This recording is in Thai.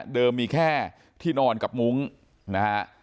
มีแค่ที่นอนกับมุ้งนะฮะ